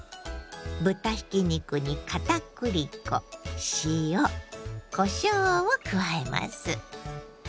豚ひき肉に片栗粉塩こしょうを加えます。